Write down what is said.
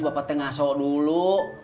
bapaknya ngasau dulu